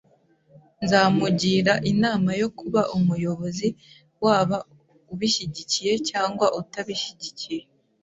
Nzamugira inama yo kuba umuyobozi, waba ubishyigikiye cyangwa utabishyigikiye.